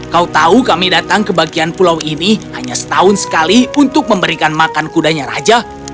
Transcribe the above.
kau tahu kami datang ke bagian pulau ini hanya setahun sekali untuk memberikan makan kudanya raja